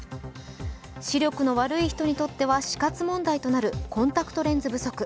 視力の悪い人にとっては死活問題となるコンタクトレンズ不足。